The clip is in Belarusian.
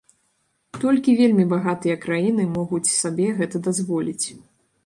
Толькі вельмі багатыя краіны могуць сабе гэта дазволіць.